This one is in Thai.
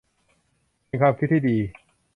เป็นความคิดที่ดี